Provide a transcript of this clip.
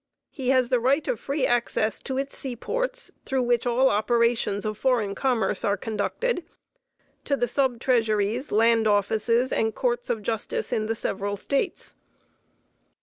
He has the right of free access to its seaports through which all operations of foreign commerce are conducted, to the sub treasuries, land offices, and courts of justice in the several States."